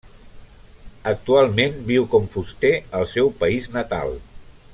Actualment viu com fuster al seu país natal.